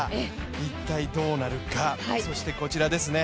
一体どうなるか、そしてこちらですね。